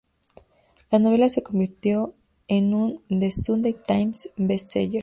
La novela se convirtió en un "The Sunday Times" best seller.